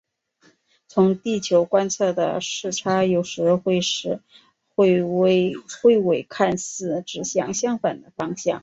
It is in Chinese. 从地球观测的视差有时会使彗尾看似指向相反的方向。